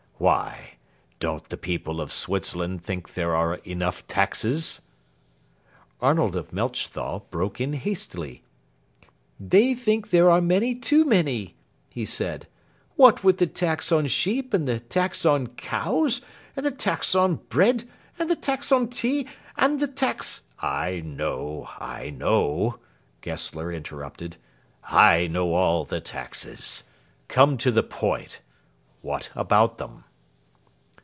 Why, don't the people of Switzerland think there are enough taxes?" Arnold of Melchthal broke in hastily. "They think there are many too many," he said. "What with the tax on sheep, and the tax on cows, and the tax on bread, and the tax on tea, and the tax " "I know, I know," Gessler interrupted; "I know all the taxes. Come to the point. What about 'em?"